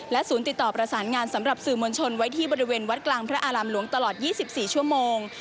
ศูนย์ติดต่อประสานงานสำหรับสื่อมวลชนไว้ที่บริเวณวัดกลางพระอารามหลวงตลอด๒๔ชั่วโมง